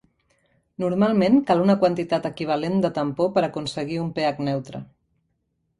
Normalment cal una quantitat equivalent de tampó per aconseguir un pH neutre.